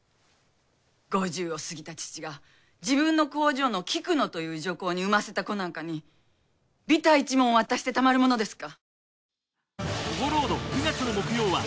５０を過ぎた父が自分の工場の菊乃という女工に産ませた子なんかにビタ一文渡してたまるものですか。